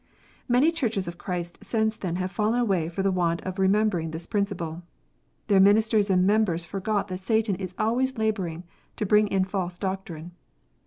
Many Churches of Christ since then have fallen away for the want of remembering this principle. Their ministers and members forgot that Satan, is always labouring to bring in false doctrine.